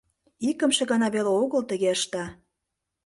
Икымше гана веле огыл тыге ышта...